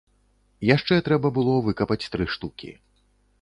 Яшчэ трэба было выкапаць тры штукі.